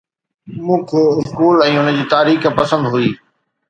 مون کي اسڪول ۽ ان جي تاريخ پسند هئي